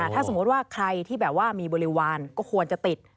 ถ้าสมมุติว่าใครที่แบบว่ามีบริวารก็ควรจะติด